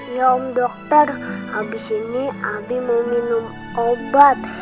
iya om dokter abis ini abi mau minum obat